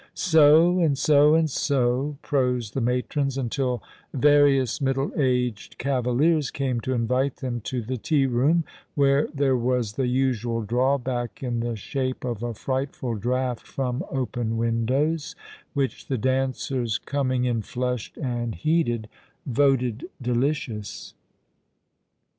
So, and so, and eg prosed the matrons, until various middle aged cavaliers came to invite them to the tea room, where there was the usual drawback in the shape of a frightful draught from open windows, which the dancers, coming in flushed and heated, voted delicious.